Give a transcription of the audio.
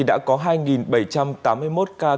đã có hai bảy trăm tám mươi một ca cấp cứu